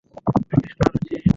কয়েকটি সোনার চেইন।